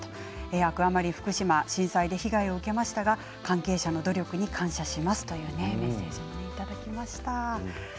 アクアマリンふくしま震災で被害を受けましたが関係者の努力に感謝しますというメッセージもいただきました。